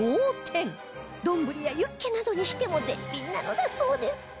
丼やユッケなどにしても絶品なのだそうです